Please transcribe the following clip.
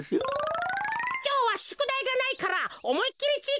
きょうはしゅくだいがないからおもいっきりちぃ